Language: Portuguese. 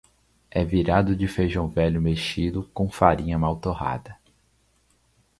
É virado de feijão velho mexido com farinha mal torrada.